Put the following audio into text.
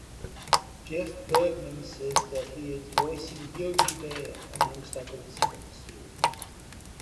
Jeff Bergman says that he is voicing Yogi Bear amongst others for the series.